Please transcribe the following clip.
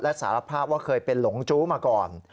สารภาพว่าเคยเป็นหลงจู้มาก่อน